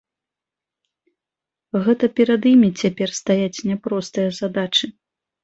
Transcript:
Гэта перад імі цяпер стаяць няпростыя задачы.